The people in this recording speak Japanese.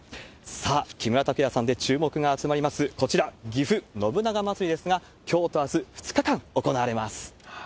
さあ、木村拓哉さんで注目が集まります、こちら、ぎふ信長まつりですが、きょうとあす２日間、行われます。